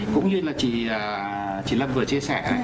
cũng như là chị lâm vừa chia sẻ này